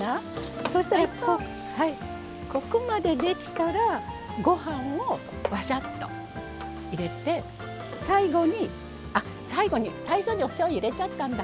ここまでできたらご飯を、わしゃっと入れて最後に最初におしょうゆ入れちゃったんだ。